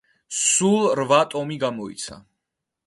სულ რვა ტომი გამოიცა.